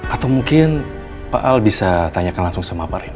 atau mungkin pak al bisa tanyakan langsung sama pak reno